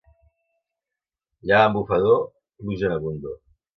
Llevant bufador, pluja en abundor.